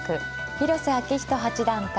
広瀬章人八段対